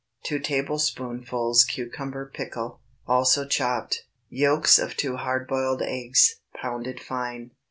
2 tablespoonfuls cucumber pickle, also chopped. Yolks of 2 hard boiled eggs, pounded fine.